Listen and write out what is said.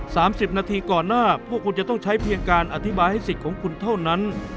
สามสิบนาทีก่อนหน้าพวกคุณจะต้องใช้เพียงการอธิบายให้สิทธิ์ของคุณเท่านั้น